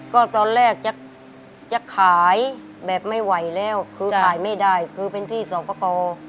ก็ตอนแรกจะขายแบบไม่ไหวแล้วคือขายไม่ได้คือเป็นที่สอบประกอบ